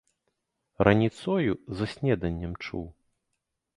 Раніцою за снеданнем чуў.